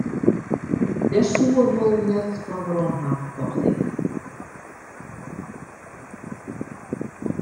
Dêr soe er wol net fan werom hawwe, tocht ik.